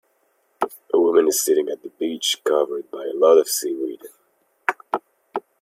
A woman is sitting at the beach covered by a lot of seaweed.